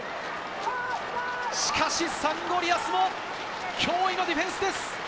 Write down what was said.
しかし、サンゴリアスも驚異のディフェンスです。